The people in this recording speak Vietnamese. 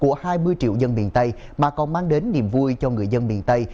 cầu mỹ thuận hai không chỉ là một dự án miền tây mà còn mang đến niềm vui cho người dân miền tây